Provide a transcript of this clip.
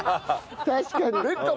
確かに。